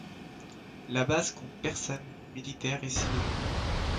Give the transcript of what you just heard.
La base compte personnes, militaires et civils.